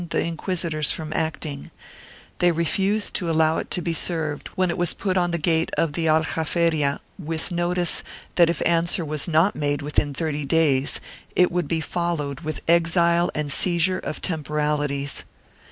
IV] AEAGON 457 inquisitors from acting; they refused to allow it to be served when it was put on the gate of the Aljaferia with notice that if answer was not made within thirty days it would be followed with exile and seizure of temporalities.